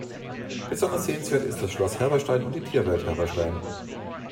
Besonders sehenswert ist das Schloss Herberstein und die Tierwelt Herberstein.